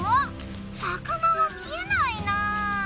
魚は見えないなぁ。